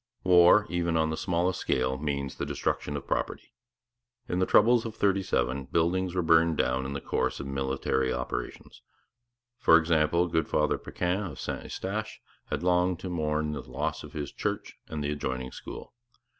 War, even on the smallest scale, means the destruction of property. In the troubles of '37 buildings were burned down in the course of military operations. For example, good Father Paquin of St Eustache had long to mourn the loss of his church and the adjoining school.